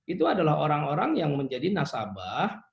itu adalah orang orang yang menjadi nasabah